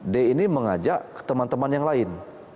d ini mengajak teman teman yang lain